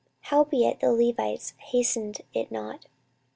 Howbeit the Levites hastened it not.